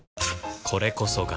これこそが